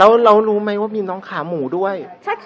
แล้วเรารู้ไหมว่ามีน้องขาหมูด้วย